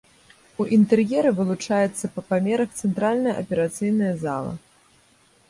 У інтэр'еры вылучаецца па памерах цэнтральная аперацыйная зала.